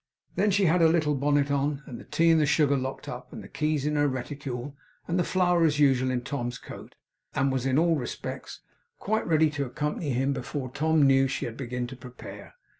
Then she had her little bonnet on, and the tea and sugar locked up, and the keys in her reticule, and the flower, as usual, in Tom's coat, and was in all respects quite ready to accompany him, before Tom knew she had begun to prepare.